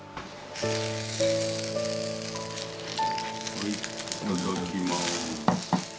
はいいただきます。